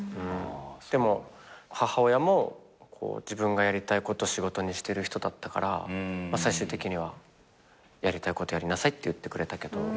でも母親も自分がやりたいことを仕事にしてる人だったから最終的には「やりたいことやりなさい」って言ってくれた。